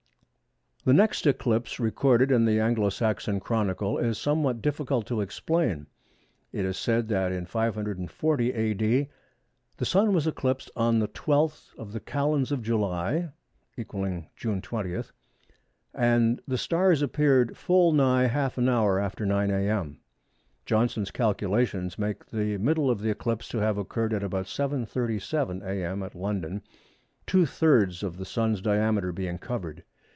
The next eclipse recorded in the Anglo Saxon Chronicle is somewhat difficult to explain. It is said that in 540 A.D. "The Sun was eclipsed on the 12th of the Calends of July [= June 20], and the stars appeared full nigh half an hour after 9 a.m." Johnson's calculations make the middle of the eclipse to have occurred at about 7.37 a.m. at London, two thirds of the Sun's diameter being covered.